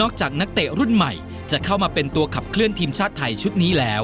จากนักเตะรุ่นใหม่จะเข้ามาเป็นตัวขับเคลื่อนทีมชาติไทยชุดนี้แล้ว